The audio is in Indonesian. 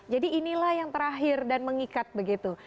jadi inilah yang terakhir dan mengikat begitu